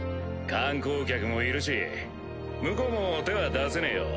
観光客もいるし向こうも手は出せねぇよ。